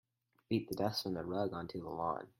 Beat the dust from the rug onto the lawn.